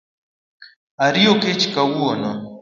Ariyo kech kawuono